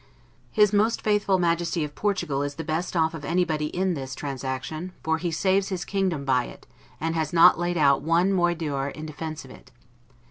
His most faithful Majesty of Portugal is the best off of anybody in this, transaction, for he saves his kingdom by it, and has not laid out one moidore in defense of it.